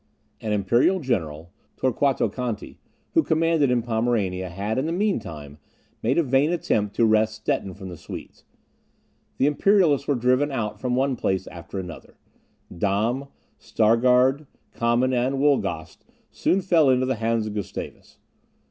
An imperial general, Torquato Conti, who commanded in Pomerania, had, in the mean time, made a vain attempt to wrest Stettin from the Swedes. The Imperialists were driven out from one place after another; Damm, Stargard, Camin, and Wolgast, soon fell into the hands of Gustavus.